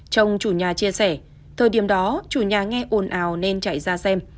chồng chủ nhà chia sẻ thời điểm đó chủ nhà nghe ồn ào nên chạy ra xem